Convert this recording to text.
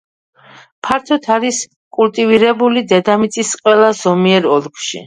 ფართოდ არის კულტივირებული დედამიწის ყველა ზომიერ ოლქში.